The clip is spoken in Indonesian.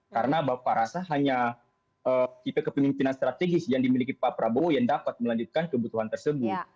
karena bapak rasa hanya kita kepemimpinan strategis yang dimiliki pak prabowo yang dapat melanjutkan kebutuhan tersebut